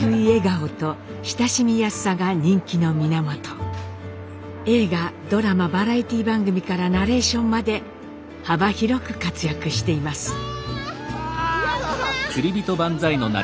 映画ドラマバラエティー番組からナレーションまで幅広く活躍しています。